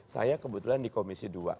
saya kebetulan di komisi dua